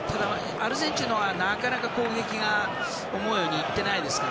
アルゼンチンのほうはなかなか攻撃が思うようにいっていないですから。